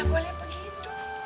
gak boleh begitu